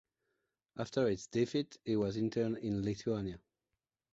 After its defeat, he was interned in Lithuania.